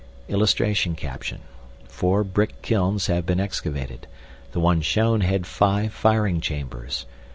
[Illustration: FOUR BRICK KILNS HAVE BEEN EXCAVATED. THE ONE SHOWN HAD FIVE FIRING CHAMBERS.